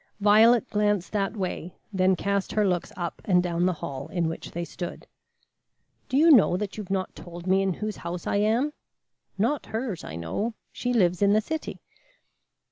Violet glanced that way, then cast her looks up and down the hall in which they stood. "Do you know that you have not told me in whose house I am? Not hers, I know. She lives in the city."